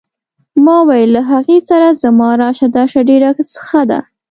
ما وویل له هغې سره زما راشه درشه ډېره ښه ده.